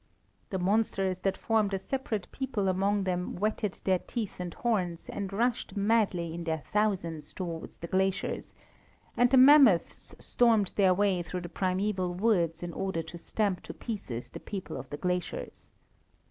The monsters that formed a separate people among them whetted their teeth and horns, and rushed madly in their thousands towards the glaciers; and the mammoths stormed their way through the primæval woods in order to stamp to pieces the people of the glaciers.